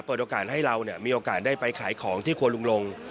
เปิดโอกาสให้เรามีโอกาสได้ไปขายของที่ครัวลุงลง